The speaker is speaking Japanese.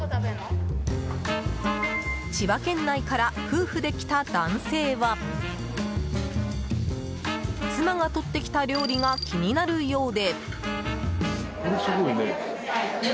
千葉県内から夫婦で来た男性は妻が取ってきた料理が気になるようで。